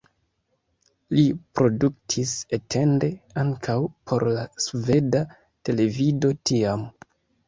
Li produktis etende ankaŭ por la sveda televido tiam.